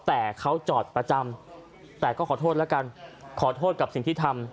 แต่เขาจอดประจำแต่ก็ขอโทษแล้วกันขอโทษกับสิ่งที่ทำ